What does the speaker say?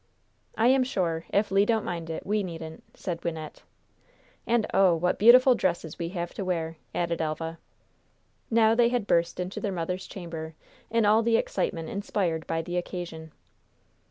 "I am sure, if Le don't mind it, we needn't," said Wynnette. "And, oh, what beautiful dresses we have to wear!" added Elva. Now they had burst into their mother's chamber, in all the excitement inspired by the occasion.